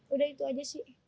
udah itu aja sih